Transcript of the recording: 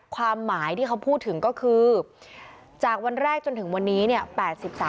ความหมายที่เขาพูดถึงก็คือจากวันแรกจนถึงวันนี้เนี่ย